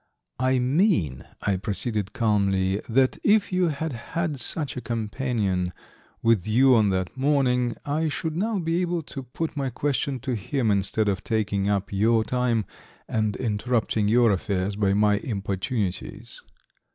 "I mean," I proceeded calmly, "that if you had had such a companion with you on that morning I should now be able to put my question to him, instead of taking up your time and interrupting your affairs by my importunities."